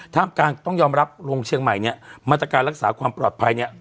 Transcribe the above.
กลางต้องยอมรับลงเชียงใหม่เนี่ยมาตรการรักษาความปลอดภัยเนี่ย